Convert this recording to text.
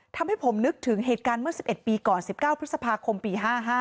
ทำให้ผมนึกถึงเหตุการณ์เมื่อ๑๑ปีก่อน๑๙พฤษภาคมปี๕๕